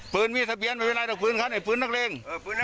ปืนมีทะเบียนมันเป็นไรต่อปืนคะไอ้ปืนนักเร็ง